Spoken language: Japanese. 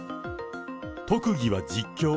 特技は実況。